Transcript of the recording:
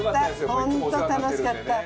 本当楽しかった！